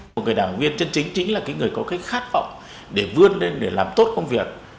một người đảng viên chân chính chính là cái người có cái khát vọng để vươn lên để làm tốt công việc